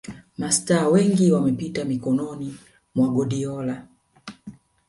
Mastaa wengi wamepita mikononi mwa Guardiola